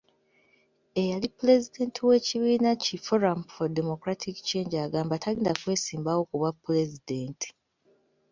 Eyali pulezidenti w’ekibiina ki Forum for Democratic Change, agamba tagenda kwesimbawo ku bwa Pulezidenti.